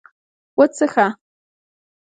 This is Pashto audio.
_وڅښه!